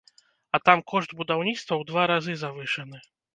А там кошт будаўніцтва ў два разы завышаны!